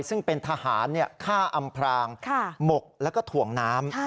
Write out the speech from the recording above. ซึ่งเป็นทหารฆ่าอำพรางหมกแล้วก็ถ่วงน้ำ